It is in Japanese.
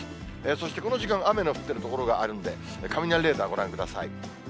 そしてこの時間、雨の降っている所があるんで、雷レーダー、ご覧ください。